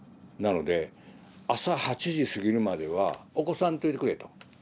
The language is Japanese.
なので朝８時過ぎるまでは起こさんといてくれと。